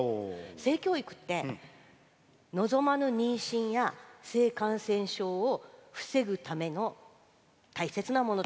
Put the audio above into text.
性教育って望まぬ妊娠や性感染症を防ぐための大切なものだ。